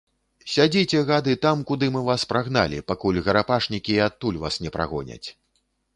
Сядзіце, гады, там, куды мы вас прагналі, пакуль гарапашнікі і адтуль вас не прагоняць.